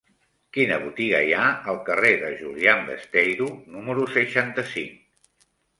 Quina botiga hi ha al carrer de Julián Besteiro número seixanta-cinc?